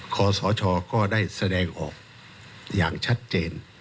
ขอสชก็ได้แสดงออกอย่างชัดเจน